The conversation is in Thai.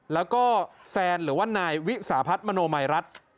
แล้วก็แซนหรือว่านายวิสาพัฒน์มโนมัยรัฐ